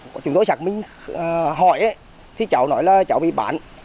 có trường tố sạc minh hỏi thì cháu nói là cháu bị bán